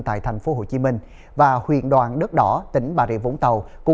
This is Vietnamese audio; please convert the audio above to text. tại tp hcm và huyện đoàn đất đỏ tỉnh bà rịa vũng tàu